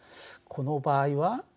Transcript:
この場合は。